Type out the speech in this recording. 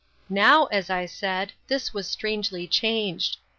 Now, as I said, this was strangely changed.